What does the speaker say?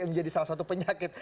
menjadi salah satu penyakit